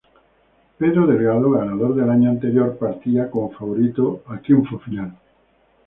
Pedro Delgado, ganador del año anterior, partía como favorito al triunfo final.